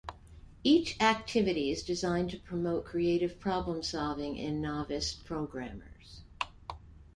Each activity is designed to promote creative problem-solving in novice programmers.